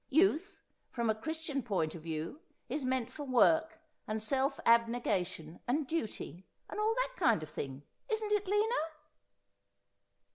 Youth, from a Chris tian point of view, is meant for work and self abnegation, and duty, and all that kind of thing ; isn't it, Lina